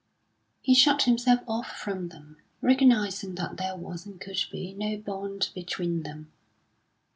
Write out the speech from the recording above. He shut himself off from them, recognising that there was, and could be, no bond between them.